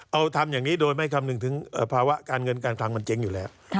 เอาทำอย่างนี้โดยไม่คำนึงถึงภาวะการเงินการคลังมันเจ๊งอยู่แล้ว